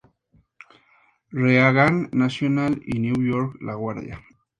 Reagan National y New York La Guardia.